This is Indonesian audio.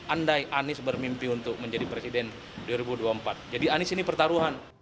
andai anies bermimpi untuk menjadi presiden dua ribu dua puluh empat jadi anies ini pertaruhan